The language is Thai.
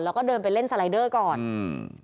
แล้วก็เดินไปเล่นสไลเดอร์ก่อนอืม